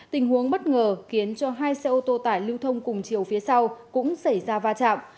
tình huống bất ngờ khiến cho hai xe ô tô tải lưu thông cùng chiều phía sau cũng xảy ra va chạm